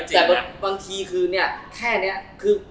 แต่บางทีคือแค่นี้คือ